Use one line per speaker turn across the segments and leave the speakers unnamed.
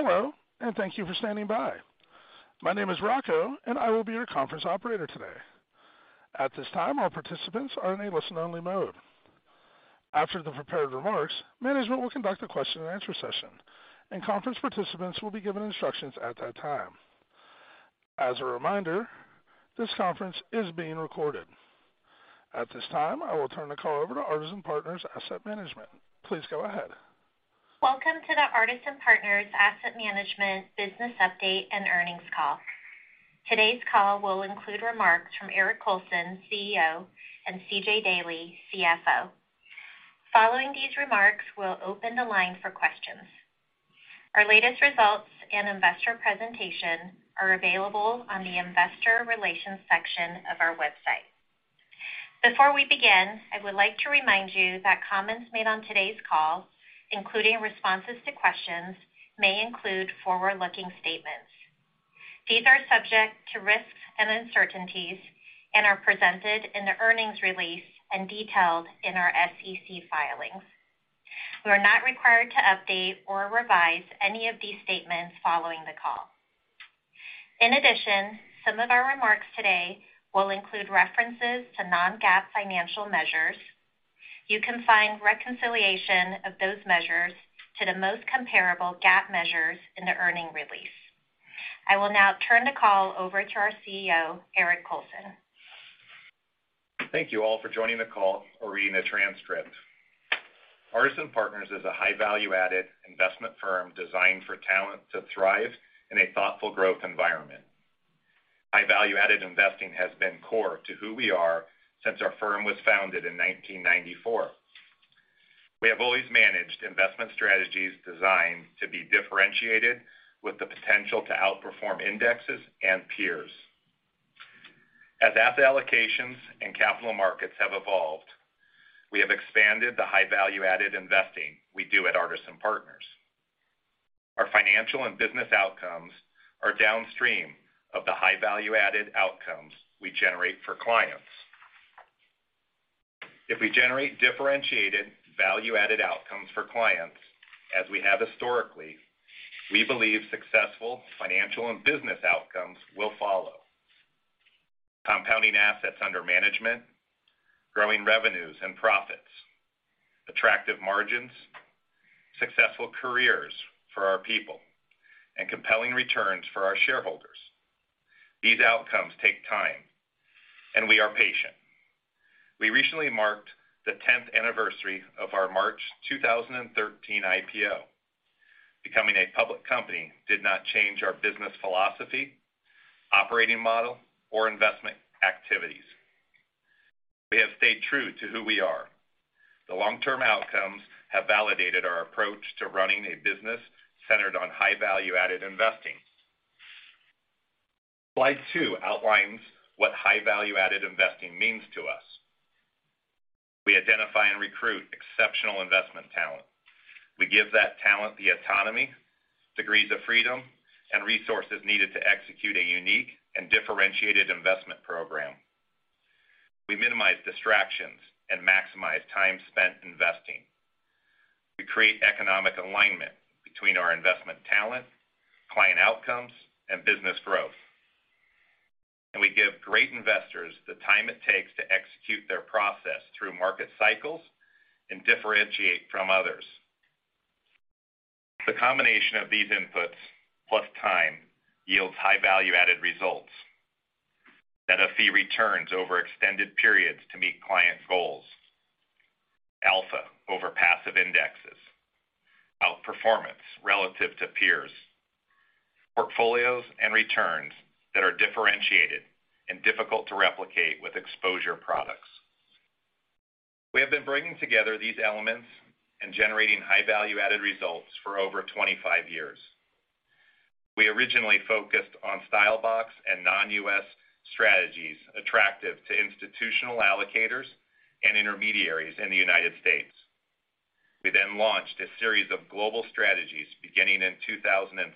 Hello. Thank you for standing by. My name is Rocco and I will be your conference operator today. At this time, all participants are in a listen-only mode. After the prepared remarks, management will conduct a question-and-answer session. Conference participants will be given instructions at that time. As a reminder, this conference is being recorded. At this time, I will turn the call over to Artisan Partners Asset Management. Please go ahead.
Welcome to the Artisan Partners Asset Management business update and earnings call. Today's call will include remarks from Eric Colson CEO, and CJ Daley, CFO. Following these remarks, we'll open the line for questions. Our latest results and investor presentation are available on the investor relations section of our website. Before we begin, I would like to remind you that comments made on today's call, including responses to questions, may include forward-looking statements. These are subject to risks and uncertainties and are presented in the earnings release and detailed in our SEC filings. We are not required to update or revise any of these statements following the call. In addition, some of our remarks today will include references to non-GAAP financial measures. You can find reconciliation of those measures to the most comparable GAAP measures in the earnings release. I will now turn the call over to our CEO, Eric Colson.
Thank you all for joining the call or reading the transcript. Artisan Partners is a high value-added investment firm designed for talent to thrive in a thoughtful growth environment. High value-added investing has been core to who we are since our firm was founded in 1994. We have always managed investment strategies designed to be differentiated with the potential to outperform indexes and peers. As asset allocations and capital markets have evolved, we have expanded the high value-added investing we do at Artisan Partners. Our financial and business outcomes are downstream of the high value-added outcomes we generate for clients. If we generate differentiated value-added outcomes for clients, as we have historically, we believe successful financial and business outcomes will follow. Compounding assets under management, growing revenues and profits, attractive margins, successful careers for our people, and compelling returns for our shareholders. These outcomes take time, and we are patient. We recently marked the 10th anniversary of our March 2013 IPO. Becoming a public company did not change our business philosophy, operating model, or investment activities. We have stayed true to who we are. The long-term outcomes have validated our approach to running a business centered on high value-added investing. Slide two outlines what high value-added investing means to us. We identify and recruit exceptional investment talent. We give that talent the autonomy, degrees of freedom, and resources needed to execute a unique and differentiated investment program. We minimize distractions and maximize time spent investing. We create economic alignment between our investment talent, client outcomes, and business growth. We give great investors the time it takes to execute their process through market cycles and differentiate from others. The combination of these inputs plus time yields high value-added results. Net of fee returns over extended periods to meet client goals. Alpha over passive indexes. Outperformance relative to peers. Portfolios and returns that are differentiated and difficult to replicate with exposure products. We have been bringing together these elements and generating high value-added results for over 25 years. We originally focused on style box and Non-U.S. strategies attractive to institutional allocators and intermediaries in the United States. We then launched a series of global strategies beginning in 2006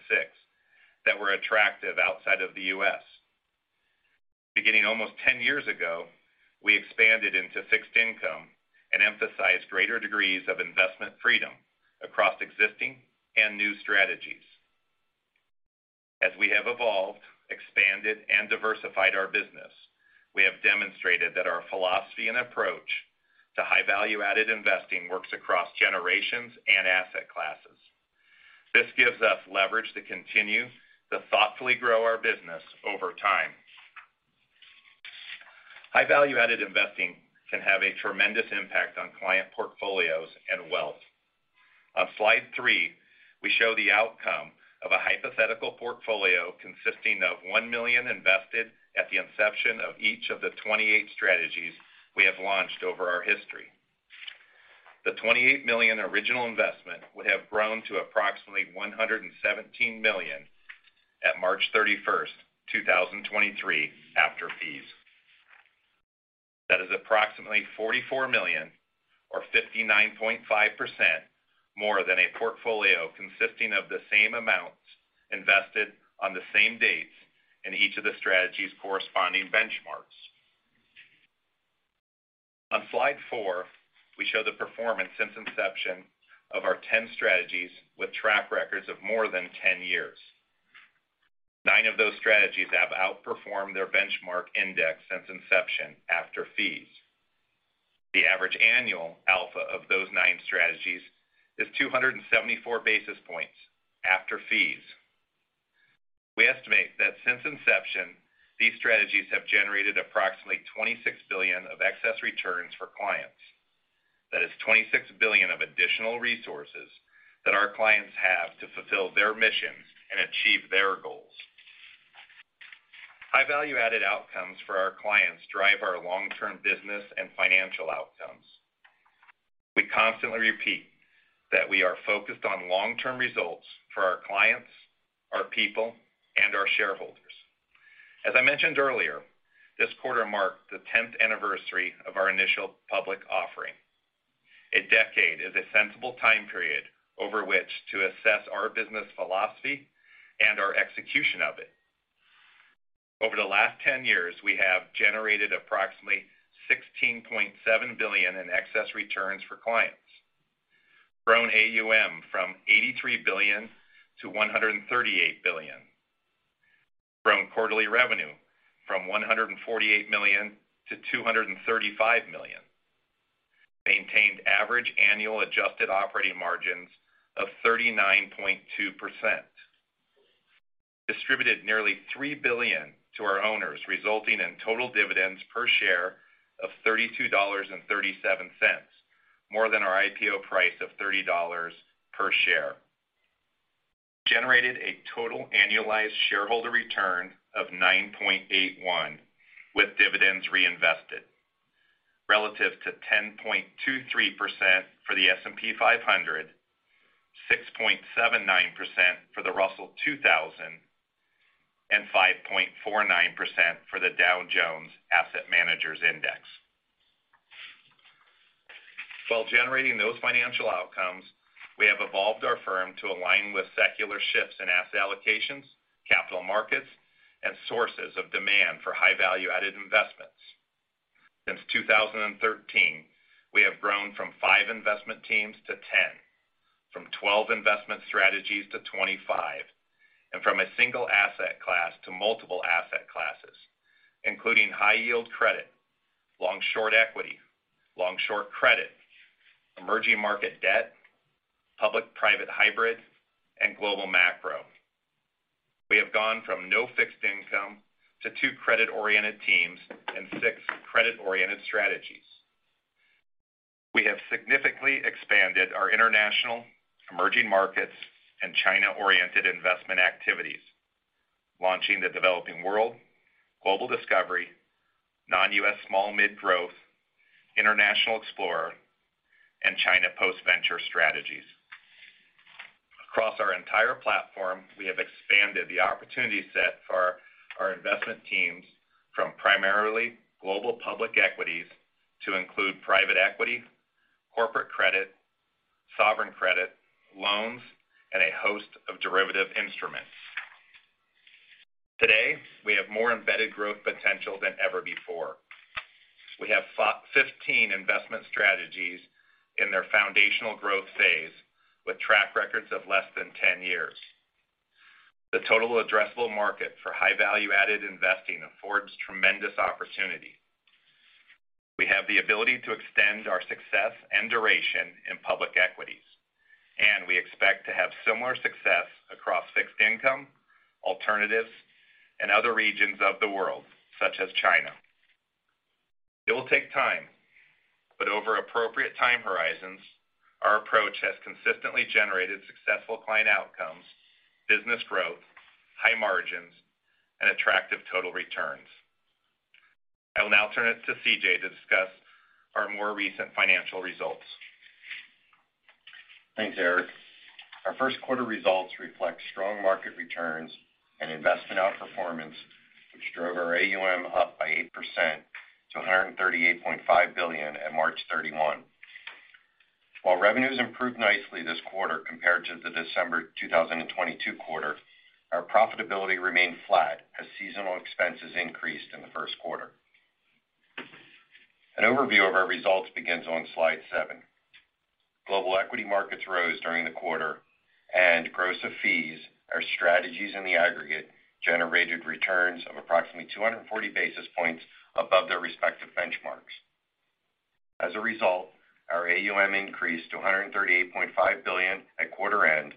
that were attractive outside of the U.S. Beginning almost 10 years ago, we expanded into fixed income and emphasized greater degrees of investment freedom across existing and new strategies. As we have evolved, expanded, and diversified our business, we have demonstrated that our philosophy and approach to high value-added investing works across generations and asset classes. This gives us leverage to continue to thoughtfully grow our business over time. High value-added investing can have a tremendous impact on client portfolios and wealth. On slide three, we show the outcome of a hypothetical portfolio consisting of $1 million invested at the inception of each of the 28 strategies we have launched over our history. The $28 million original investment would have grown to approximately $117 million at March 31, 2023, after fees. That is approximately $44 million or 59.5% more than a portfolio consisting of the same amounts invested on the same dates in each of the strategies' corresponding benchmarks. On slide four, we show the performance since inception of our 10 strategies with track records of more than 10 years. nine of those strategies have outperformed their benchmark index since inception after fees. The average annual alpha of those nine strategies is 274 basis points after fees. We estimate that since inception, these strategies have generated approximately $26 billion of excess returns for clients. That is $26 billion of additional resources that our clients have to fulfill their missions and achieve their goals. High value-added outcomes for our clients drive our long-term business and financial outcomes. We constantly repeat that we are focused on long-term results for our clients, our people, and our shareholders. As I mentioned earlier, this quarter marked the tenth anniversary of our initial public offering. A decade is a sensible time period over which to assess our business philosophy and our execution of it. Over the last 10 years, we have generated approximately $16.7 billion in excess returns for clients, grown AUM from $83 billion to $138 billion, grown quarterly revenue from $148 million to $235 million, maintained average annual adjusted operating margins of 39.2%, distributed nearly $3 billion to our owners, resulting in total dividends per share of $32.37, more than our IPO price of $30 per share. Generated a total annualized shareholder return of 9.81 with dividends reinvested relative to 10.23% for the S&P 500, 6.79% for the Russell 2000, and 5.49% for the Dow Jones U.S. Asset Managers Index. While generating those financial outcomes, we have evolved our firm to align with secular shifts in asset allocations, capital markets, and sources of demand for high value-added investments. Since 2013, we have grown from 5 investment teams to 10, from 12 investment strategies to 25, and from a single asset class to multiple asset classes, including High Yield Credit, long-short equity, long-short credit, emerging market debt, public-private hybrid, and global macro. We have gone from no fixed income to two credit-oriented teams and 6 credit-oriented strategies. We have significantly expanded our international emerging markets and China-oriented investment activities, launching the Developing World, Global Discovery, Non-U.S. Small-Mid Growth, International Explorer, and China Post-Venture strategies. Across our entire platform, we have expanded the opportunity set for our investment teams from primarily global public equities to include private equity, corporate credit, sovereign credit, loans, and a host of derivative instruments. Today, we have more embedded growth potential than ever before. We have 15 investment strategies in their foundational growth phase with track records of less than 10 years. The total addressable market for high value-added investing affords tremendous opportunity. We have the ability to extend our success and duration in public equities, and we expect to have similar success across fixed income, alternatives, and other regions of the world, such as China. It will take time, but over appropriate time horizons, our approach has consistently generated successful client outcomes, business growth, high margins, and attractive total returns. I will now turn it to CJ to discuss our more recent financial results.
Thanks Eric. Our first quarter results reflect strong market returns and investment outperformance, which drove our AUM up by 8% to $138.5 billion at March 31. While revenues improved nicely this quarter compared to the December 2022 quarter, our profitability remained flat as seasonal expenses increased in the first quarter. An overview of our results begins on slide seven. Global equity markets rose during the quarter and gross of fees our strategies in the aggregate generated returns of approximately 240 basis points above their respective benchmarks. As a result, our AUM increased to $138.5 billion at quarter end,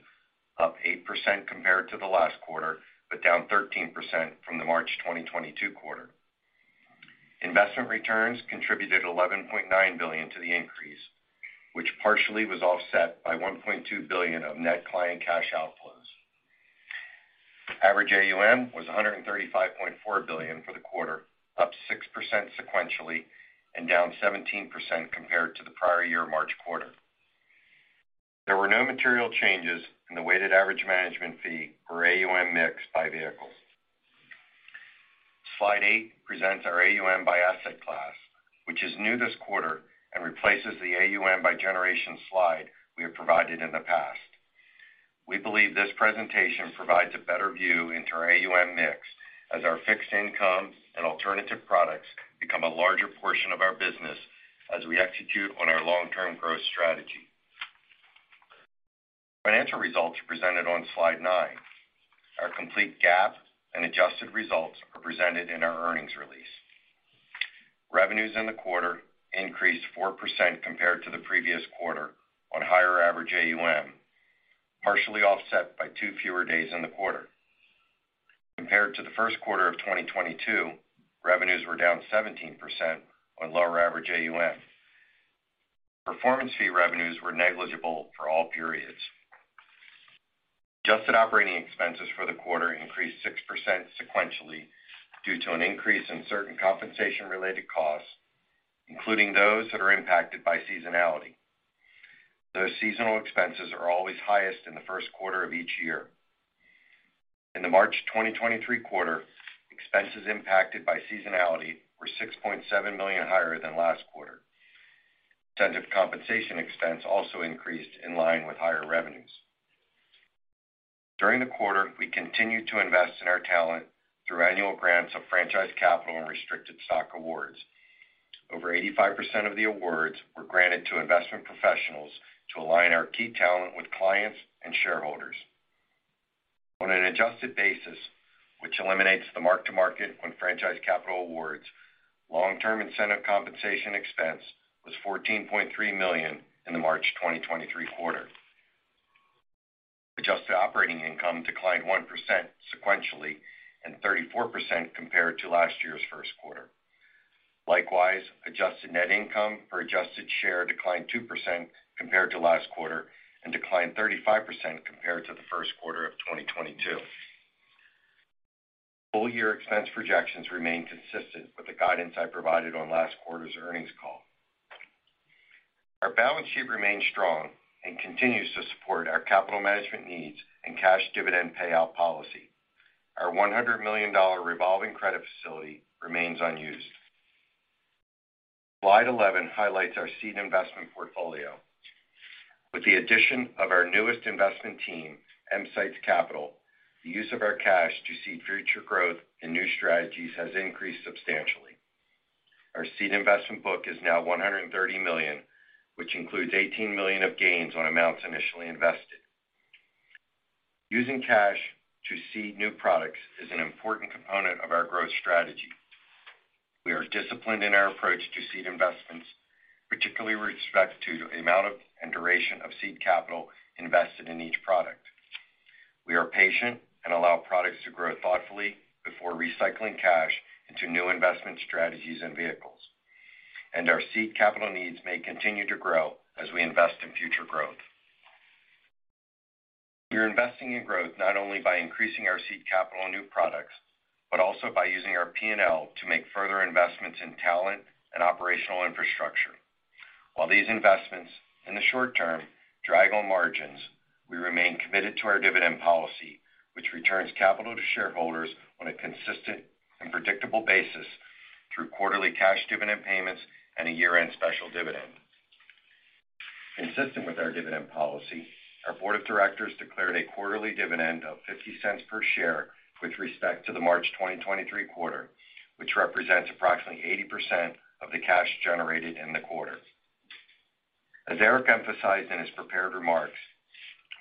up 8% compared to the last quarter, but down 13% from the March 2022 quarter. Investment returns contributed $11.9 billion to the increase, which partially was offset by $1.2 billion of net client cash outflows. Average AUM was $135.4 billion for the quarter, up 6% sequentially and down 17% compared to the prior year March quarter. There were no material changes in the weighted average management fee or AUM mix by vehicles. Slide eight presents our AUM by asset class, which is new this quarter and replaces the AUM by generation slide we have provided in the past. We believe this presentation provides a better view into our AUM mix as our fixed income and alternative products become a larger portion of our business as we execute on our long-term growth strategy. Financial results are presented on slide nine. Our complete GAAP and adjusted results are presented in our earnings release. Revenues in the quarter increased 4% compared to the previous quarter on higher average AUM, partially offset by two fewer days in the quarter. Compared to the first quarter of 2022, revenues were down 17% on lower average AUM. Performance fee revenues were negligible for all periods. Adjusted operating expenses for the quarter increased 6% sequentially due to an increase in certain compensation-related costs, including those that are impacted by seasonality. Those seasonal expenses are always highest in the first quarter of each year. In the March 2023 quarter, expenses impacted by seasonality were $6.7 million higher than last quarter. Incentive compensation expense also increased in line with higher revenues. During the quarter, we continued to invest in our talent through annual grants of franchise capital and restricted stock awards. Over 85% of the awards were granted to investment professionals to align our key talent with clients and shareholders. On an adjusted basis, which eliminates the mark-to-market on franchise capital awards, long-term incentive compensation expense was $14.3 million in the March 2023 quarter. Adjusted operating income declined 1% sequentially, and 34% compared to last year's first quarter. Likewise, adjusted net income per adjusted share declined 2% compared to last quarter and declined 35% compared to the first quarter of 2022. Full year expense projections remain consistent with the guidance I provided on last quarter's earnings call. Our balance sheet remains strong and continues to support our capital management needs and cash dividend payout policy. Our $100 million revolving credit facility remains unused. Slide 11 highlights our seed investment portfolio. With the addition of our newest investment team, EMsights Capital, the use of our cash to seed future growth and new strategies has increased substantially. Our seed investment book is now $130 million, which includes $18 million of gains on amounts initially invested. Using cash to seed new products is an important component of our growth strategy. We are disciplined in our approach to seed investments, particularly with respect to the amount of and duration of seed capital invested in each product. We are patient and allow products to grow thoughtfully before recycling cash into new investment strategies and vehicles. Our seed capital needs may continue to grow as we invest in future growth. We are investing in growth not only by increasing our seed capital in new products, but also by using our P&L to make further investments in talent and operational infrastructure. While these investments in the short term drag on margins, we remain committed to our dividend policy, which returns capital to shareholders on a consistent and predictable basis through quarterly cash dividend payments and a year-end special dividend. Consistent with our dividend policy, our board of directors declared a quarterly dividend of $0.50 per share with respect to the March 2023 quarter, which represents approximately 80% of the cash generated in the quarter. As Eric emphasized in his prepared remarks,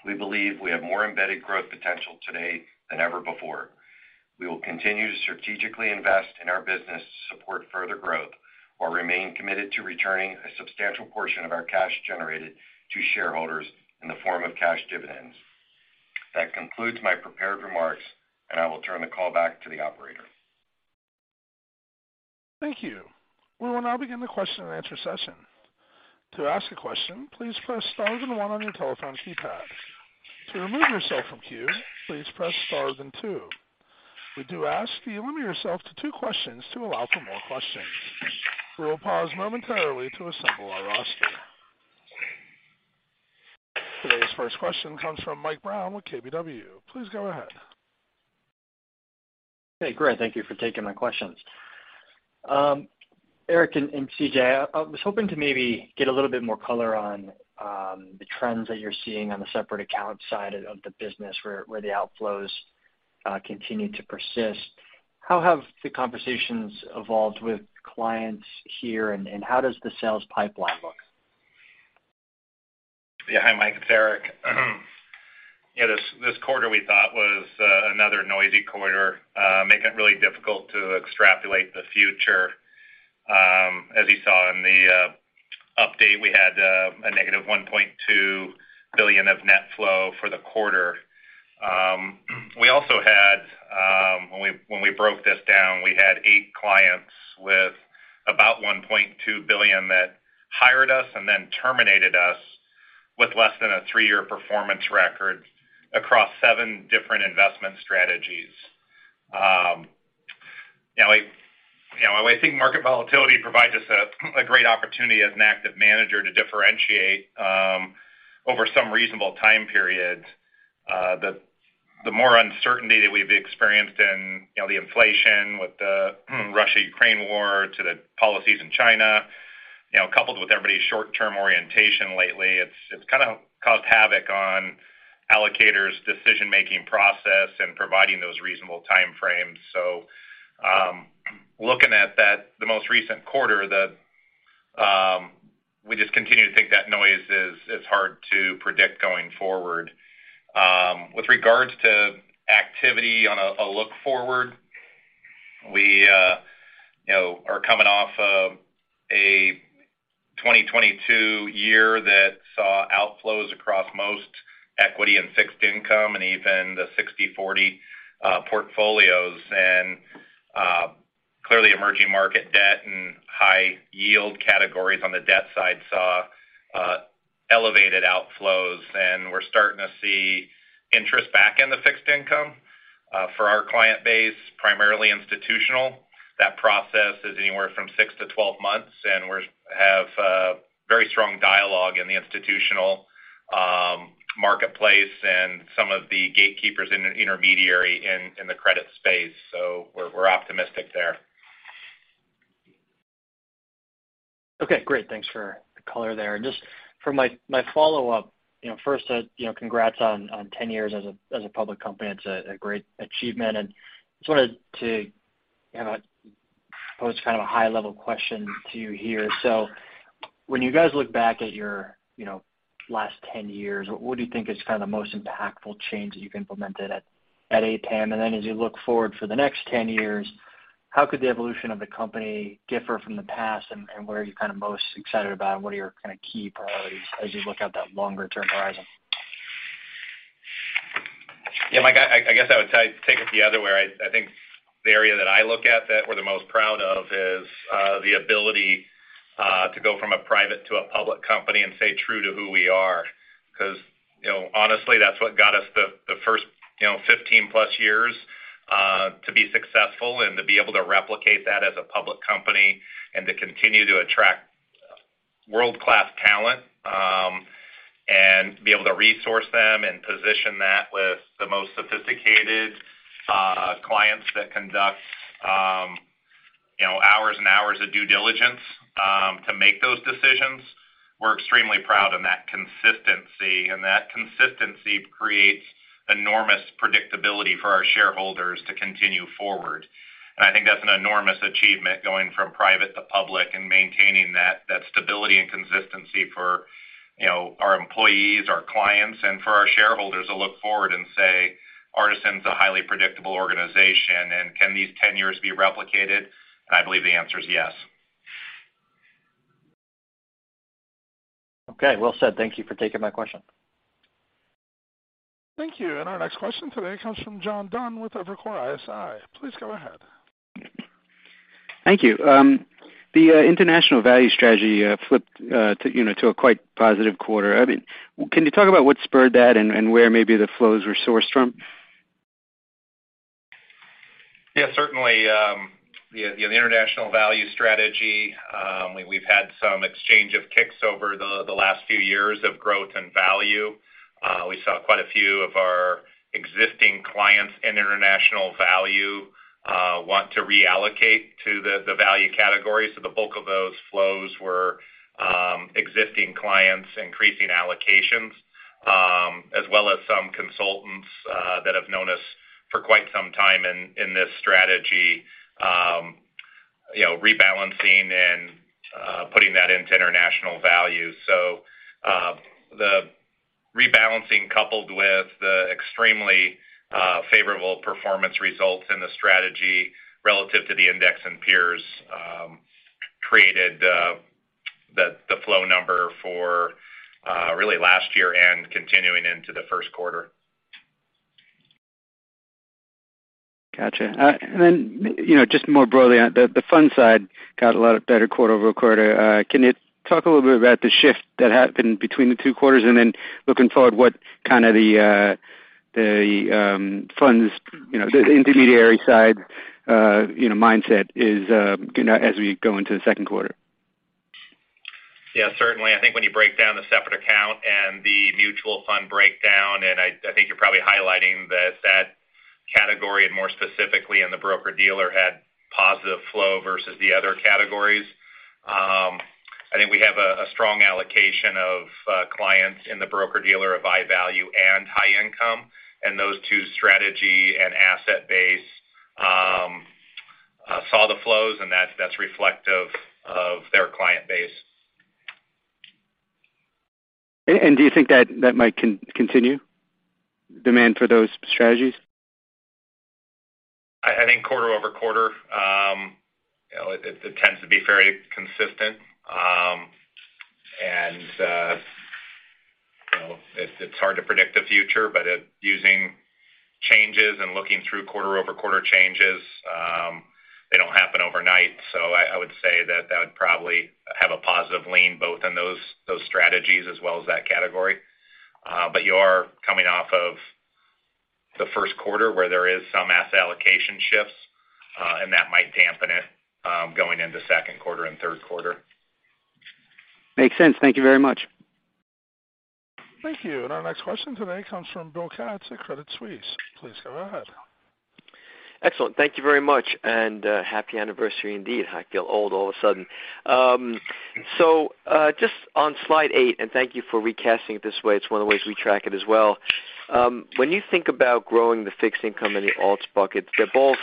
we believe we have more embedded growth potential today than ever before. We will continue to strategically invest in our business to support further growth, while remain committed to returning a substantial portion of our cash generated to shareholders in the form of cash dividends. That concludes my prepared remarks, I will turn the call back to the operator.
Thank you. We will now begin the question and answer session. To ask a question, please press star then 1 on your telephone keypad. To remove yourself from queue, please press star then two. We do ask that you limit yourself to two questions to allow for more questions. We will pause momentarily to assemble our roster. Today's first question comes from Mike Brown with KBW. Please go ahead.
Hey, great. Thank you for taking my questions. Eric and CJ, I was hoping to maybe get a little bit more color on the trends that you're seeing on the separate account side of the business where the outflows continue to persist. How have the conversations evolved with clients here, and how does the sales pipeline look?
Hi, Mike, it's Eric. This quarter we thought was another noisy quarter, making it really difficult to extrapolate the future. As you saw in the update, we had a negative $1.2 billion of net flow for the quarter. We also had, when we broke this down, we had eight clients with about $1.2 billion that hired us and then terminated us with less than a three-year performance record across seven different investment strategies. You know, we, you know, while I think market volatility provides us a great opportunity as an active manager to differentiate, over some reasonable time periods, the more uncertainty that we've experienced in, you know, the inflation with the Russia-Ukraine war to the policies in China Coupled with everybody's short-term orientation lately, it's kinda caused havoc on allocators' decision-making process and providing those reasonable timeframes, so looking at that, the most recent quarter that we just continue to think that noise is hard to predict going forward. With regards to activity on a look forward, we, you know, are coming off of a 2022 year that saw outflows across most equity and fixed income and even the 60/40 portfolios. Clearly emerging market debt and high yield categories on the debt side saw elevated outflows, and we're starting to see interest back in the fixed income. For our client base, primarily institutional, that process is anywhere from six to 12 months, and we have a very strong dialogue in the institutional marketplace and some of the gatekeepers in the intermediary in the credit space. We're optimistic there.
Okay great. Thanks for the color there. Just for my follow-up, you know, first, you know, congrats on 10 years as a, as a public company. It's a great achievement. Just wanted to have a post kind of a high level question to you here. When you guys look back at your, you know, last 10 years, what do you think is kind of the most impactful change that you've implemented at APAM? As you look forward for the next 10 years, how could the evolution of the company differ from the past and what are you kinda most excited about? What are your kinda key priorities as you look out that longer term horizon?
Yeah, Mike, I guess I would take it the other way. I think the area that I look at that we're the most proud of is the ability to go from a private to a public company and stay true to who we are. 'Cause, you know, honestly, that's what got us the first, you know, 15 plus years to be successful and to be able to replicate that as a public company and to continue to attract world-class talent, and be able to resource them and position that with the most sophisticated clients that conduct, you know, hours and hours of due diligence to make those decisions. We're extremely proud in that consistency, and that consistency creates enormous predictability for our shareholders to continue forward. I think that's an enormous achievement, going from private to public and maintaining that stability and consistency for, you know, our employees, our clients, and for our shareholders to look forward and say, "Artisan's a highly predictable organization, and can these tenures be replicated?" I believe the answer is yes.
Okay, well said. Thank you for taking my question.
Thank you. Our next question today comes from John Dunn with Evercore ISI. Please go ahead.
Thank you. The International Value strategy flipped to, you know, to a quite positive quarter. I mean, can you talk about what spurred that and where maybe the flows were sourced from?
Yeah certainly, the International Value strategy, we've had some exchange of kicks over the last few years of growth and value. We saw quite a few of our existing clients in International Value, want to reallocate to the value category. The bulk of those flows were existing clients increasing allocations, as well as some consultants that have known us for quite some time in this strategy, you know, rebalancing and putting that into International Value. The rebalancing coupled with the extremely favorable performance results in the strategy relative to the index and peers, created the flow number for really last year and continuing into the first quarter.
Gotcha. You know, just more broadly, the fund side got a lot of better quarter-over-quarter. Can you talk a little bit about the shift that happened between the two quarters? Looking forward, what kinda the funds, you know, the intermediary side, you know, mindset is as we go into the second quarter?
Yeah, certainly. I think when you break down the separate account and the mutual fund breakdown, I think you're probably highlighting the SMA category and more specifically in the broker-dealer had positive flow versus the other categories. I think we have a strong allocation of clients in the broker-dealer of Value Income and High Income, and those two strategy and asset base saw the flows, and that's reflective of their client base.
Do you think that might continue, demand for those strategies?
I think quarter-over-quarter, you know, it tends to be very consistent. You know, it's hard to predict the future, using changes and looking through quarter-over-quarter changes, they don't happen overnight. I would say that that would probably have a positive lean both in those strategies as well as that category. You are coming off of the first quarter where there is some asset allocation shifts, and that might dampen it going into second quarter and third quarter.
Makes sense. Thank you very much.
Thank you. Our next question today comes from Bill Katz at Credit Suisse. Please go ahead.
Excellent. Thank you very much, and happy anniversary indeed. I feel old all of a sudden. Just on slide eight, and thank you for recasting it this way, it's one of the ways we track it as well. When you think about growing the fixed income in the alts bucket, they're both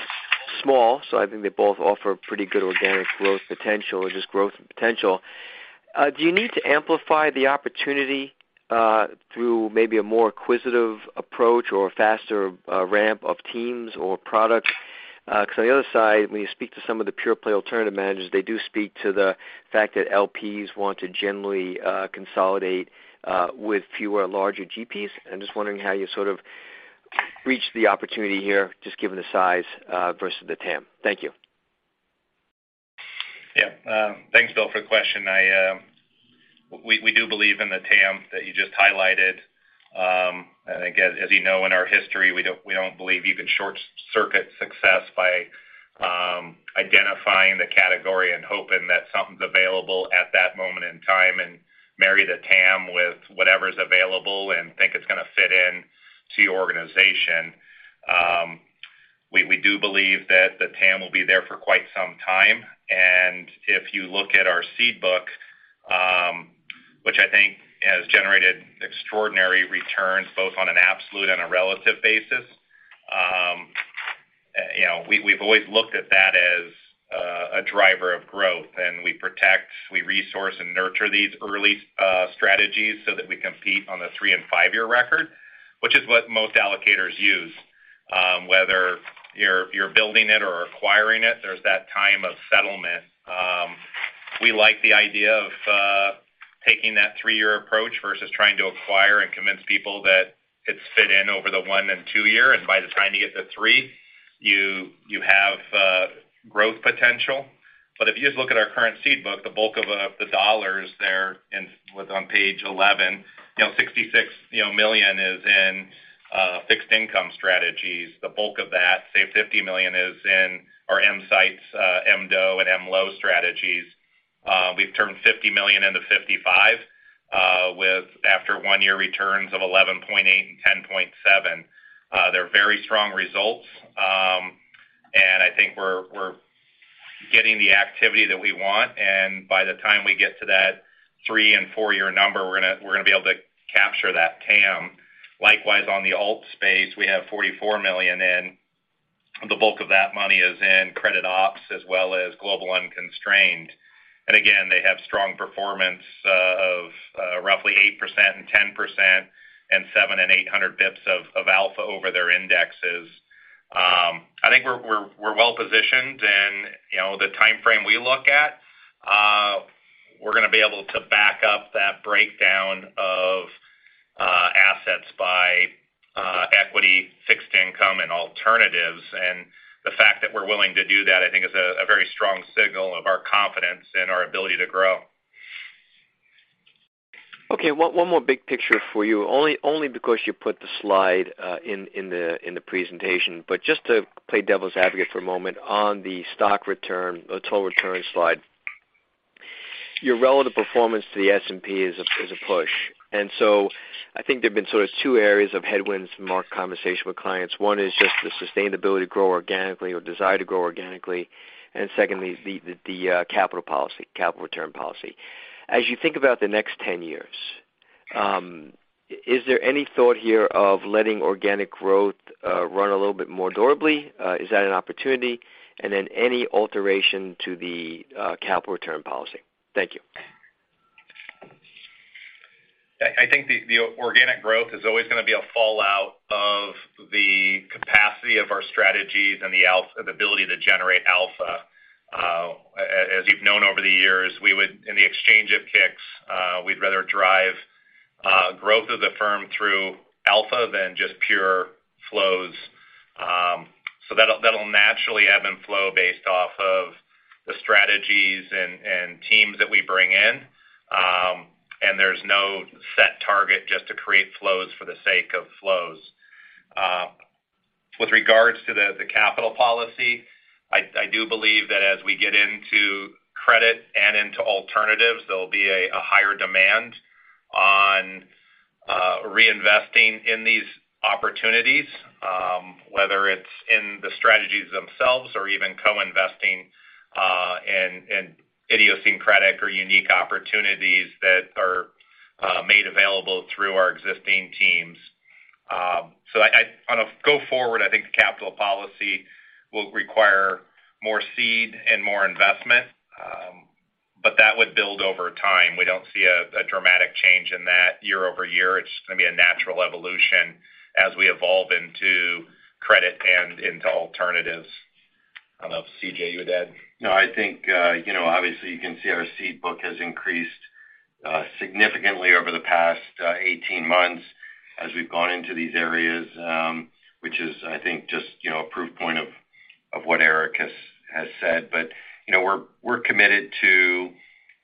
small, so I think they both offer pretty good organic growth potential or just growth potential. Do you need to amplify the opportunity through maybe a more acquisitive approach or a faster ramp of teams or products? On the other side, when you speak to some of the pure play alternative managers, they do speak to the fact that LPs want to generally consolidate with fewer larger GPs. I'm just wondering how you sort of reach the opportunity here, just given the size, versus the TAM. Thank you.
Yeah. Thanks Bill for the question. I do believe in the TAM that you just highlighted. Again, as you know, in our history, we don't, we don't believe you can short-circuit success by identifying the category and hoping that something's available at that moment in time and marry the TAM with whatever's available and think it's gonna fit in to your organization. We do believe that the TAM will be there for quite some time, and if you look at our seed book, which I think has generated extraordinary returns, both on an absolute and a relative basis, you know, we've always looked at that as a driver of growth, and We protect, we resource and nurture these early strategies so that we compete on the three and five-year record, which is what most allocators use. Whether you're building it or acquiring it, there's that time of settlement. We like the idea of taking that three-year approach versus trying to acquire and convince people that it's fit in over the one and two year, and by the time you get to three, you have growth potential. If you just look at our current seed book, the bulk of the dollars was on page 11, you know, $66 million is in fixed income strategies. The bulk of that, say $50 million is in our EMsights, MDO and EMLO strategies. We've turned $50 million into $55 million, with after one year returns of 11.8% and 10.7%. They're very strong results. I think we're getting the activity that we want. By the time we get to that three- and four-year number, we're gonna be able to capture that TAM. Likewise, on the alt space, we have $44 million in. The bulk of that money is in Credit Opportunities as well as Global Unconstrained. Again, they have strong performance of roughly 8% and 10% and 700 and 800 basis points of alpha over their indexes. I think we're well-positioned, and you know, the timeframe we look at, we're gonna be able to back up that breakdown of assets by equity, fixed income and alternatives. The fact that we're willing to do that, I think is a very strong signal of our confidence and our ability to grow.
Okay. One more big picture for you, only because you put the slide in the presentation, but just to play devil's advocate for a moment on the stock return, the total return slide. Your relative performance to the S&P is a push. I think there have been sort of two areas of headwinds from our conversation with clients. One is just the sustainability to grow organically or desire to grow organically, and secondly, the capital policy, capital return policy. As you think about the next 10 years, is there any thought here of letting organic growth run a little bit more durably? Is that an opportunity? Then any alteration to the capital return policy? Thank you.
I think the organic growth is always gonna be a fallout of the capacity of our strategies and the alpha, the ability to generate alpha. As you've known over the years, we would, in the exchange of kicks, we'd rather drive growth of the firm through alpha than just pure flows, so that'll naturally ebb and flow based off of the strategies and teams that we bring in, and there's no set target just to create flows for the sake of flows. With regards to the capital policy, I do believe that as we get into credit and into alternatives, there'll be a higher demand on reinvesting in these opportunities, whether it's in the strategies themselves or even co-investing in idiosyncratic or unique opportunities that are made available through our existing teams. On a go forward, I think the capital policy will require more seed and more investment, but that would build over time. We don't see a dramatic change in that year-over-year. It's gonna be a natural evolution as we evolve into credit and into alternatives. I don't know if C.J. you would add?
No, I think, you know, obviously you can see our seed book has increased significantly over the past 18 months as we've gone into these areas, which is, I think, just, you know, a proof point of what Eric has said. You know, we're committed to,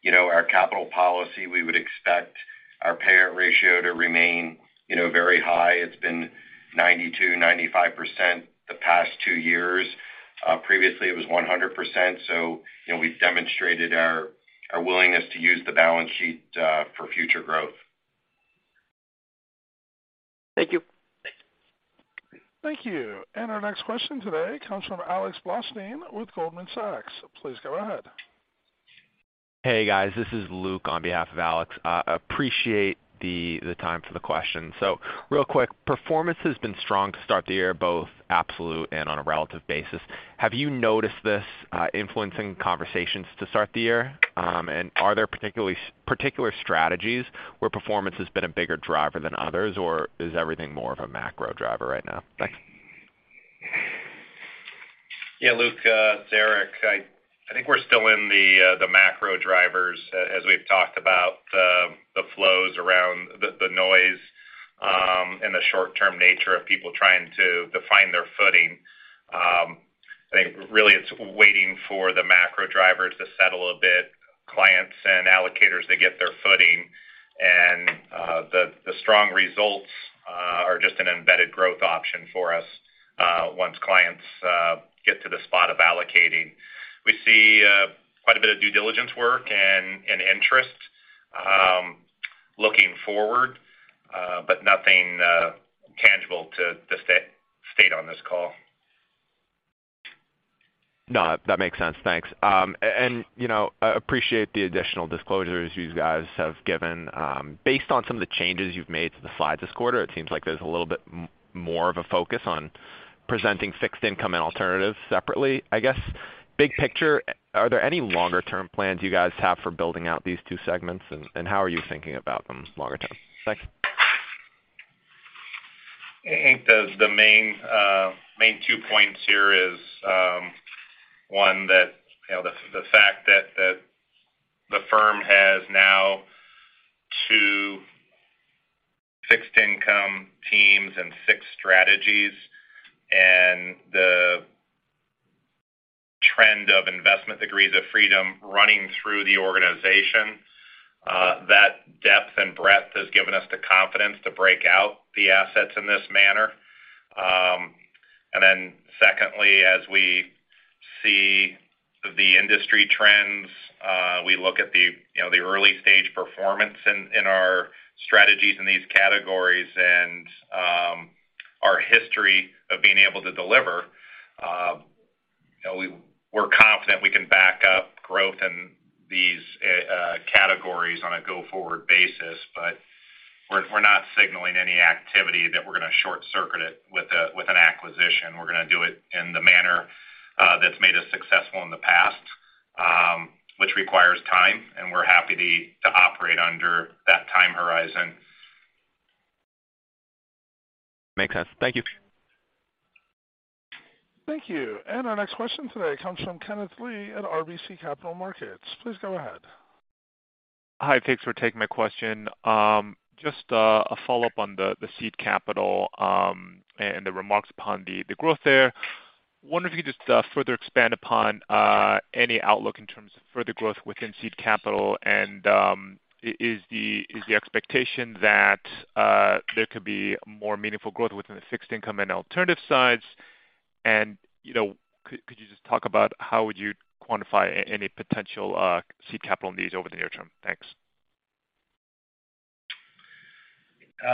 you know, our capital policy. We would expect our payout ratio to remain, you know, very high. It's been
92%-95% the past two years. Previously it was 100%. You know, we've demonstrated our willingness to use the balance sheet for future growth.
Thank you.
Thanks.
Thank you. Our next question today comes from Alex Blostein with Goldman Sachs. Please go ahead.
Hey guys. This is Luke on behalf of Alex. Appreciate the time for the question. Real quick, performance has been strong to start the year, both absolute and on a relative basis. Have you noticed this influencing conversations to start the year? Are there particular strategies where performance has been a bigger driver than others, or is everything more of a macro driver right now? Thanks.
Yeah Luke, it's Eric. I think we're still in the macro drivers as we've talked about the flows around the noise, and the short-term nature of people trying to define their footing. I think really it's waiting for the macro drivers to settle a bit, clients and allocators to get their footing, and the, the strong results are just an embedded growth option for us once clients get to the spot of allocating. We see quite a bit of due diligence work and interest looking forward, but nothing tangible to state on this call.
No, that makes sense. Thanks, and you know, appreciate the additional disclosures you guys have given. Based on some of the changes you've made to the slides this quarter, it seems like there's a little bit more of a focus on presenting fixed income and alternatives separately, I guess. Big picture, are there any longer term plans you guys have for building out these two segments, and how are you thinking about them longer term? Thanks.
I think the main two points here is one, that, you know, the fact that the firm has now two fixed income teams and six strategies and the trend of investment degrees of freedom running through the organization. That depth and breadth has given us the confidence to break out the assets in this manner. Secondly, as we see the industry trends, we look at the, you know, the early-stage performance in our strategies in these categories and our history of being able to deliver. We're confident we can back up growth in these categories on a go-forward basis, but we're not signaling any activity that we're gonna short-circuit it with an acquisition. We're going to do it in the manner, that's made us successful in the past, which requires time, and we're happy to operate under that time horizon.
Makes sense. Thank you.
Thank you. Our next question today comes from Kenneth Lee at RBC Capital Markets. Please go ahead.
Hi, thanks for taking my question. Just a follow-up on the seed capital and the remarks upon the growth there. Wondering if you could just further expand upon any outlook in terms of further growth within seed capital. Is the expectation that there could be more meaningful growth within the fixed income and alternative sides? You know, could you just talk about how would you quantify any potential seed capital needs over the near term? Thanks.
You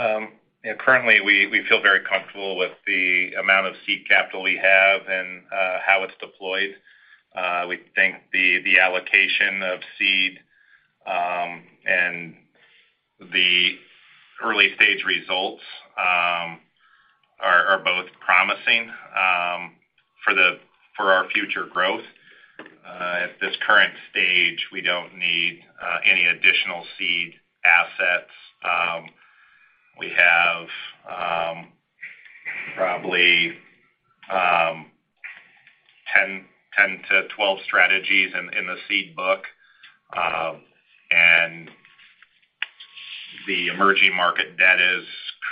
know, currently we feel very comfortable with the amount of seed capital we have and how it's deployed. We think the allocation of seed and the early-stage results are both promising for our future growth. At this current stage, we don't need any additional seed assets. We have probably 10-12 strategies in the seed book. The emerging market debt has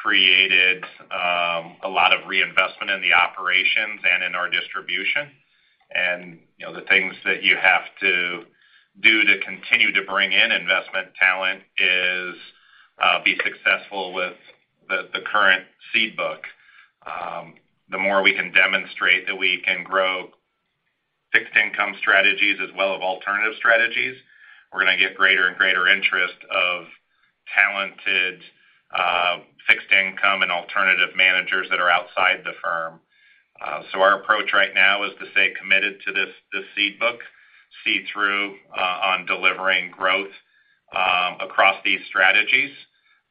created a lot of reinvestment in the operations and in our distribution. You know, the things that you have to do to continue to bring in investment talent is be successful with the current seed book. The more we can demonstrate that we can grow fixed income strategies as well as alternative strategies, we're gonna get greater and greater interest of talented fixed income and alternative managers that are outside the firm. Our approach right now is to stay committed to this seed book, see through on delivering growth across these strategies,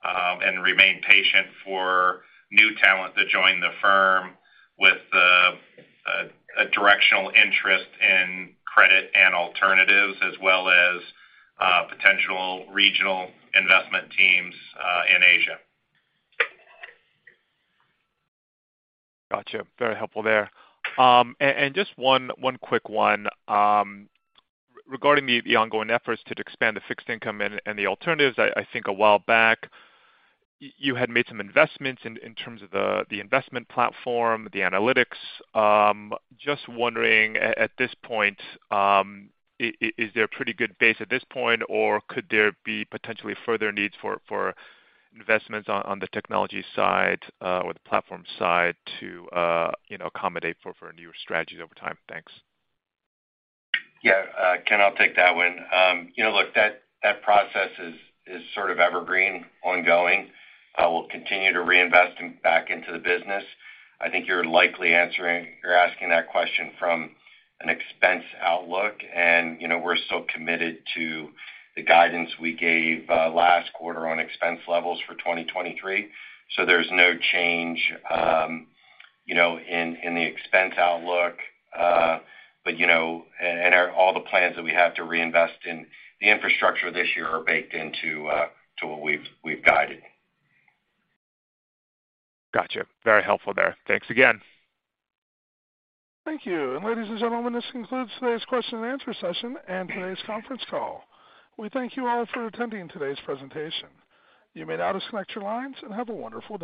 and remain patient for new talent to join the firm with a directional interest in credit and alternatives as well as potential regional investment teams in Asia.
Gotcha. Very helpful there. Just one quick one, regarding the ongoing efforts to expand the fixed income and the alternatives. I think a while back you had made some investments in terms of the investment platform, the analytics. Just wondering at this point, is there a pretty good base at this point, or could there be potentially further needs for investments on the technology side or the platform side to, you know, accommodate for newer strategies over time? Thanks.
Yeah Ken, I'll take that one. You know, look, that process is sort of evergreen ongoing. We'll continue to reinvest back into the business. I think you're likely asking that question from an expense outlook and you know, we're still committed to the guidance we gave last quarter on expense levels for 2023, so there's no change, you know, in the expense outlook, but you know, and, all the plans that we have to reinvest in the infrastructure this year are baked into what we've guided.
Gotcha. Very helpful there. Thanks again.
Thank you. Ladies and gentlemen, this concludes today's question and answer session and today's conference call. We thank you all for attending today's presentation. You may now disconnect your lines. Have a wonderful day.